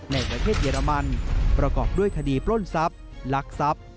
ในประเทศเยอรมันประกอบด้วยคดีปล้นทรัพย์ลักทรัพย์